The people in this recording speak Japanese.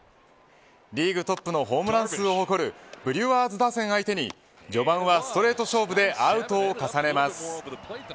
リーグトップのホームラン数を誇るブリュワーズ打線相手に序盤はストレート勝負でアウトを重ねます。